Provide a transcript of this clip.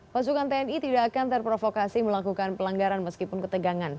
pasukan tni tidak akan terprovokasi melakukan pelanggaran meskipun ketegangan